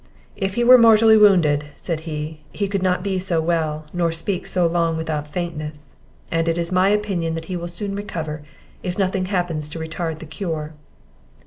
"If he were mortally wounded," said he, "he could not be so well, nor speak so long without faintness; and it is my opinion that he will soon recover, if nothing happens to retard the cure."